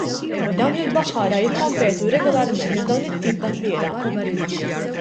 Dawn il-baħħara jikkompetu regolarment f'dawn it-tip ta' tlielaq.